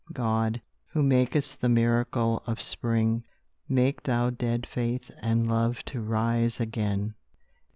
God, who makest the miracle of spring Make Thou dead faith and love to rise again.